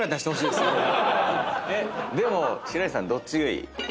でも白石さんどっちがいい？